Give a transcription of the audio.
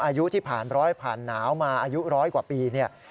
อายุที่ผ่านร้อยผ่านหนาวมาอายุร้อยกว่าปีเนี่ย